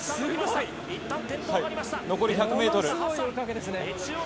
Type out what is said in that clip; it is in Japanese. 残り１００ｍ。